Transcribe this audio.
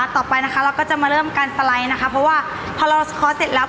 ต่อไปนะคะเราก็จะมาเริ่มกันสไลด์นะคะเพราะว่าพอเราสคอร์สเสร็จแล้ว